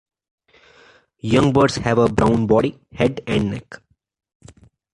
Young birds have a brown body, head, and neck.